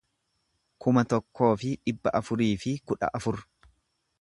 kuma tokkoo fi dhibba afurii fi kudha afur